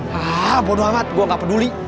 hah bodo amat gua gak peduli